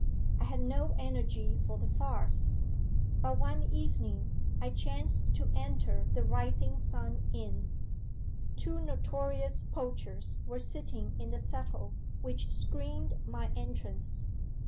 I had no energy for the farce. But one evening I chanced to enter the Rising Sun Inn. Two notorious poachers were sitting in the settle, which screened my entrance.